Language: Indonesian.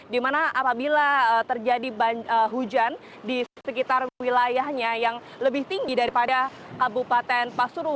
dimana apabila terjadi hujan di sekitar wilayahnya yang lebih tinggi daripada kabupaten pasuruan